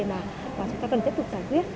mà chúng ta cần tiếp tục giải quyết